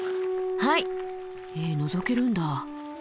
はい！えのぞけるんだ？